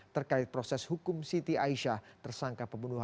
terkait proses tersebut